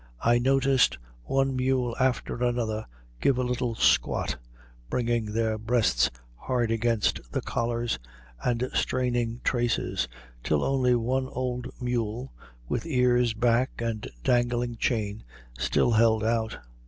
I noticed one mule after another give a little squat, bringing their breasts hard against the collars, and straining traces, till only one old mule, with ears back and dangling chain, still held out.